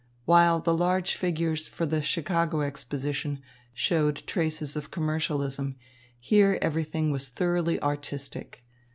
While the large figures for the Chicago Exposition showed traces of commercialism, here everything was thoroughly artistic.